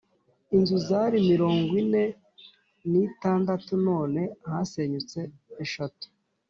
Inzu zari mirongo ine n’ itandatu none hasenyutse eshatu